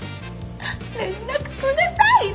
連絡くださいね！